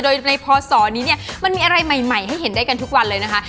โดยในพศนี้เนี่ยมันมีอะไรใหม่ให้เห็นได้กันทุกวันเลยนะคะ